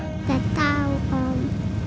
gak tahu om